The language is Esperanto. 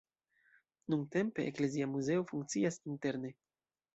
Nuntempe eklezia muzeo funkcias interne.